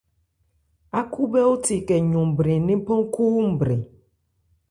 Ákhúbhɛ́óthe ékɛ yɔn brɛn ńnephan khúúnbrɛn.